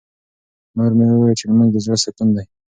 مور مې وویل چې لمونځ د زړه سکون دی.